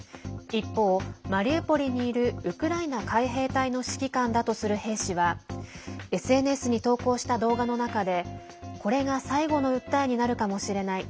一方、マリウポリにいるウクライナ海兵隊の指揮官だとする兵士はＳＮＳに投稿した動画の中でこれが最後の訴えになるかもしれない。